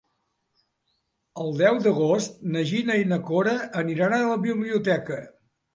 El deu d'agost na Gina i na Cora aniran a la biblioteca.